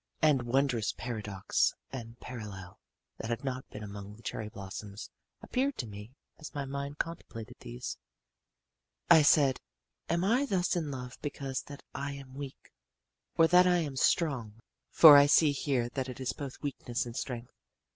And wondrous paradox and parallel that had not been among the cherry blossoms appeared to me as my mind contemplated these. I said, Am I thus in love because that I am weak, or that I am strong? For I see here that it is both weakness and strength.